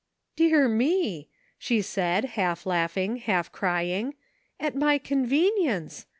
"Dear me!" she said, half laughing, half crying, "at my convenience.